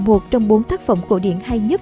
một trong bốn thác phẩm cổ điện hay nhất